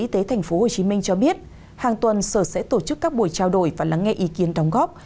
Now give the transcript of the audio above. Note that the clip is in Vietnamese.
y tế tp hcm cho biết hàng tuần sở sẽ tổ chức các buổi trao đổi và lắng nghe ý kiến đóng góp